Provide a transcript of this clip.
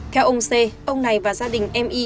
theo ông sê ông này và gia đình em y